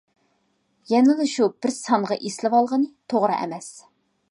يەنىلا شۇ بىر سانغا ئېسىلىۋالغىنى توغرا ئەمەس.